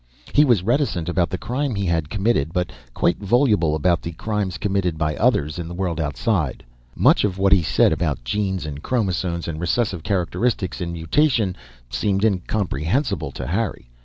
He was reticent about the crime he had committed, but quite voluble about the crimes committed by others in the world outside. Much of what he said, about genes and chromosomes and recessive characteristics and mutation, seemed incomprehensible to Harry.